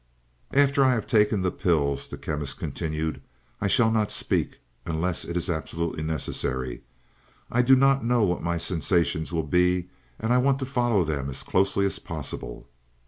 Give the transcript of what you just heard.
"After I have taken the pills," the Chemist continued, "I shall not speak unless it is absolutely necessary. I do not know what my sensations will be, and I want to follow them as closely as possible."